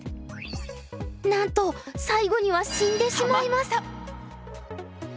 なんと最後には死んでしまいます。